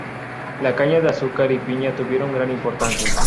La caña de azúcar y piña tuvieron gran importancia.